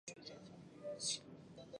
许允人。